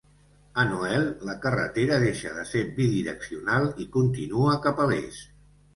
A Noel, la carretera deixa de ser bidireccional i continua cap a l'est.